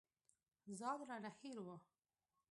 ځان رانه هېر و.